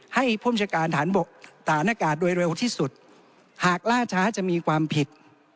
ให้ภูมิชการฐานกาศโดยเร็วที่สุดหากล่าช้าจะมีความผิด